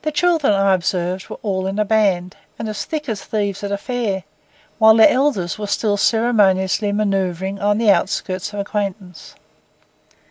The children, I observed, were all in a band, and as thick as thieves at a fair, while their elders were still ceremoniously manœuvring on the outskirts of acquaintance.